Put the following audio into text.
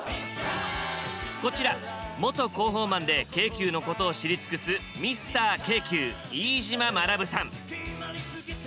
こちら元広報マンで京急のことを知り尽くすミスター京急飯島学さん。